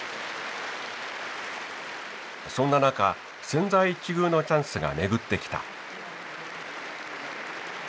そんな中千載一遇のチャンスが巡ってきた。